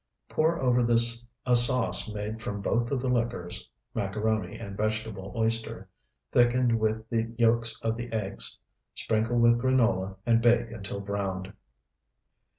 Pour over this a sauce made from both of the liquors (macaroni and vegetable oyster) thickened with the yolks of the eggs. Sprinkle with granola and bake until browned.